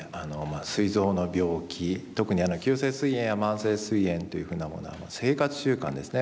すい臓の病気特に急性すい炎や慢性すい炎というふうなものは生活習慣ですね。